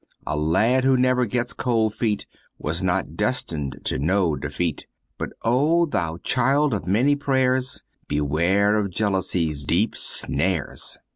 A lad who never gets cold feet Was not destined to know defeat, But oh! thou child of many pray'rs Beware of Jealousy's deep snares!"